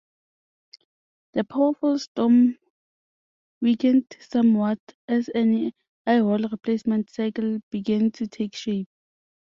The powerful storm weakened somewhat as an eyewall replacement cycle began to take shape.